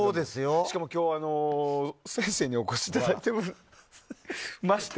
しかも今日は先生にお越しいただいてまして。